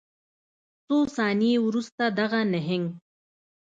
څو ثانیې وروسته دغه نهنګ